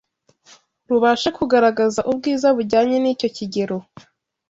rubashe kugaragaza ubwiza bujyanye n’icyo kigero